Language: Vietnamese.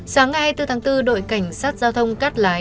sáng ngày bốn tháng bốn đội cảnh sát giao thông cắt lái